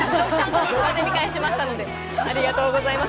録画で見返しましたので、ありがとうございます。